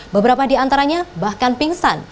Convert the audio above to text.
beberapa di antaranya bahkan pingsan